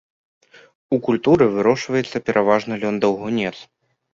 У культуры вырошчваецца пераважна лён-даўгунец.